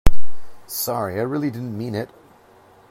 Sorry, I really didn't mean it.